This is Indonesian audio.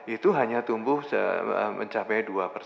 itu hanya tumbuh mencapai dua persen